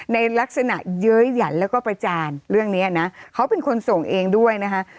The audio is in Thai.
ในลักษณะเย้ยหยันแล้วก็ประจานเรื่องนี้นะเขาเป็นคนส่งเองด้วยนะคะ